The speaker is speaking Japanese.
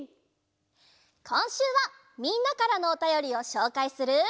こんしゅうはみんなからのおたよりをしょうかいする。